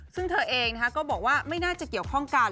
ซึ่งเธอเองก็บอกว่าไม่น่าจะเกี่ยวข้องกัน